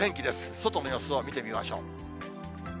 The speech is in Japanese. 外の様子を見てみましょう。